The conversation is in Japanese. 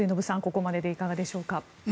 ここまででいかがでしょうか。